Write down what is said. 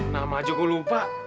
nama aja gue lupa